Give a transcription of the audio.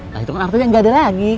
nah itu kan artinya nggak ada lagi